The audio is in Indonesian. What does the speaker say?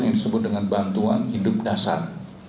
yang disebut dengan bantuan hidup dasar